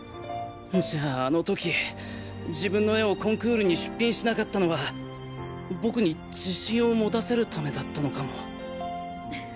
じゃああの時自分の絵をコンクールに出品しなかったのは僕に自信を持たせるためだったのかも。